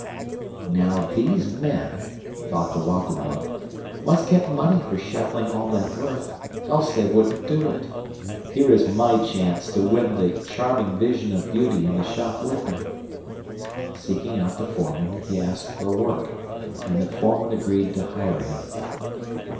"Now these men," thought the Woggle Bug, "must get money for shoveling all that earth, else they wouldn't do it. Here is my chance to win the charming vision of beauty in the shop window!" Seeking out the foreman, he asked for work, and the foreman agreed to hire him.